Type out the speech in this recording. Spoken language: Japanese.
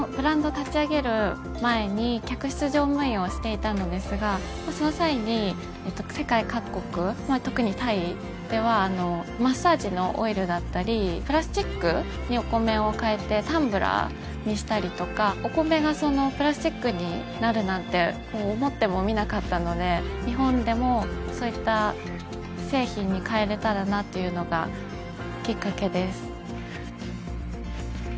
立ち上げる前に客室乗務員をしていたのですがその際に世界各国まあ特にタイではマッサージのオイルだったりプラスチックにお米をかえてタンブラーにしたりとかお米がプラスチックになるなんて思ってもみなかったので日本でもそういった製品にかえれたらなというのがきっかけです